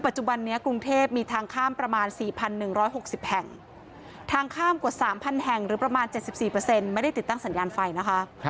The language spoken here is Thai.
๑๖๐แห่งทางข้ามกว่า๓๐๐๐แห่งหรือประมาณ๗๔เปอร์เซ็นต์ไม่ได้ติดตั้งสัญญาณไฟนะคะ